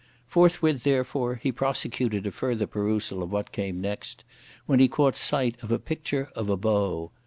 Forthwith, therefore, he prosecuted a further perusal of what came next, when he caught sight of a picture of a bow.